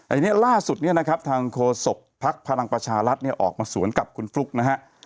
อันนี้ล่าสุดเนี่ยนะครับทางโฆษกภักดิ์พลังประชารัฐเนี่ยออกมาสวนกับคุณฟลุ๊กนะฮะ